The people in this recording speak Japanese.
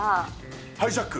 ハイジャック。